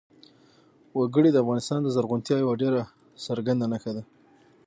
وګړي د افغانستان د زرغونتیا یوه ډېره څرګنده نښه ده.